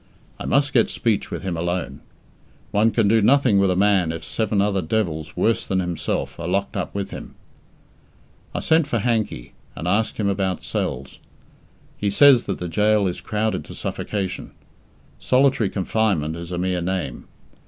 I must get speech with him alone. One can do nothing with a man if seven other devils worse than himself are locked up with him. I sent for Hankey, and asked him about cells. He says that the gaol is crowded to suffocation. "Solitary confinement" is a mere name.